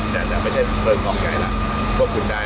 เพราะว่าเมืองนี้จะเป็นที่สุดท้าย